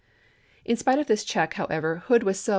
In spite of this check, however, Hood was so chap.